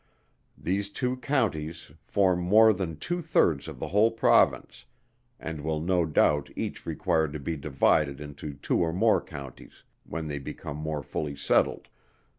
These two Counties form more than two thirds of the whole Province; and will no doubt each require to be divided into two or more Counties, when they become more fully settled.